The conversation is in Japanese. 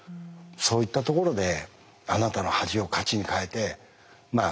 そういったところであなたの恥を価値に変えてまあ